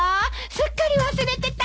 すっかり忘れてた。